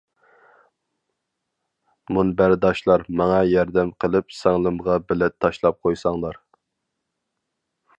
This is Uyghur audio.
مۇنبەرداشلار ماڭا ياردەم قىلىپ سىڭلىمغا بىلەت تاشلاپ قويساڭلار.